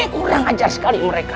kurang ajar sekali mereka